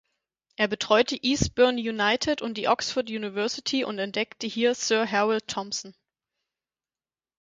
Er betreute Eastbourne United und die Oxford University und entdeckte hier Sir Harold Thompson.